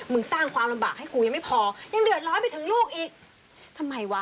สร้างความลำบากให้กูยังไม่พอยังเดือดร้อนไปถึงลูกอีกทำไมวะ